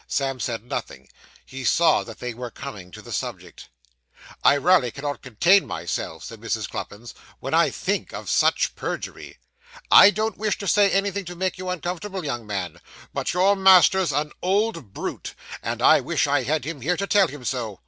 Sam said nothing. He saw they were coming to the subject. 'I raly cannot contain myself,' said Mrs. Cluppins, 'when I think of such perjury. I don't wish to say anything to make you uncomfortable, young man, but your master's an old brute, and I wish I had him here to tell him so.